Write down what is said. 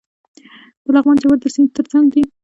د لغمان جوار د سیند ترڅنګ دي.